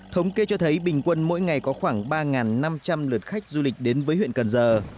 thống kê cho thấy bình quân mỗi ngày có khoảng ba năm trăm linh lượt khách du lịch đến với huyện cần giờ